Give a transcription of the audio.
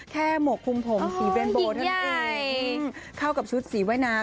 แค่หมกคุมผมสีเบนโบทันเองเข้ากับชุดสีว่ายน้ำ